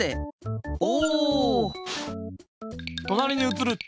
お！